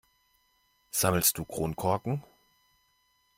Sammelst du Kronkorken?